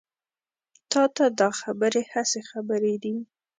تا ته دا خبرې هسې خبرې دي.